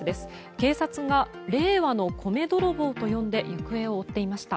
警察が令和の米泥棒と呼んで行方を追っていました。